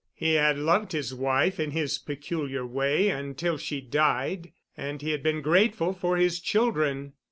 He had loved his wife in his peculiar way until she died, and he had been grateful for his children.